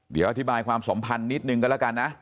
เดี๋ยวอธิบายความสมพันธ์นิดนึงก็แล้วกันนะ